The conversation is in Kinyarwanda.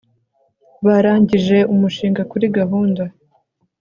Barangije umushinga kuri gahunda